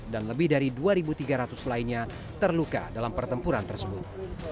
dan lebih dari dua tiga ratus lainnya terluka dalam pertempuran tersebut